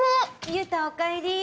優太おかえり。